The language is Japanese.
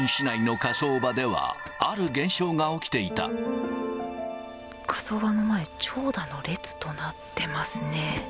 火葬場の前、長蛇の列となってますね。